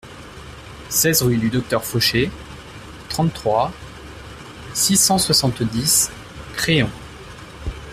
seize rue du Docteur Fauché, trente-trois, six cent soixante-dix, Créon